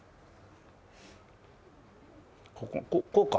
ここうか。